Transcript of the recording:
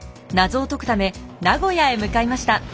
謎を解くため名古屋へ向かいました。